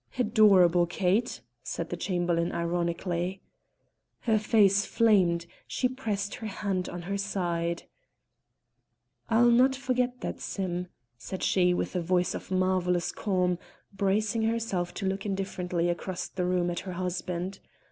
"Adorable Kate!" said the Chamberlain, ironically. Her face flamed, she pressed her hand on her side. "I'll not forget that, Sim," said she with a voice of marvellous calm, bracing herself to look indifferently across the room at her husband.